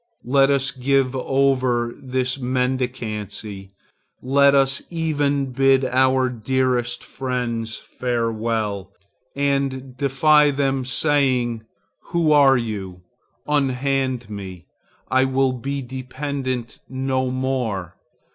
Let us give over this mendicancy. Let us even bid our dearest friends farewell, and defy them, saying, 'Who are you? Unhand me: I will be dependent no more.